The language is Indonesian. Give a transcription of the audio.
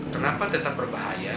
kenapa data berbahaya